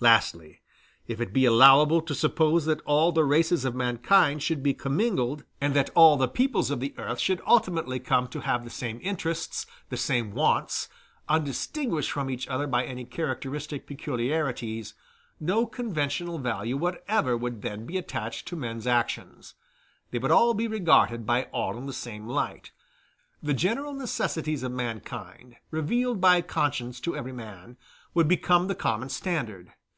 Lastly, if it be allowable to suppose that all the races of mankind should be commingled, and that all the peoples of earth should ultimately come to have the same interests, the same wants, undistinguished from each other by any characteristic peculiarities, no conventional value whatever would then be attached to men's actions; they would all be regarded by all in the same light; the general necessities of mankind, revealed by conscience to every man, would become the common standard.